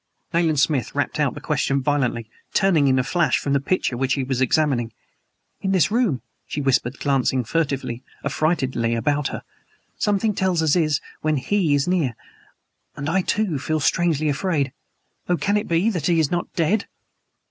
Nayland Smith rapped out the question violently, turning in a flash from the picture which he was examining. "In this room!" she whispered glancing furtively, affrightedly about her. "Something tells Aziz when HE is near and I, too, feel strangely afraid. Oh, can it be that he is not dead!"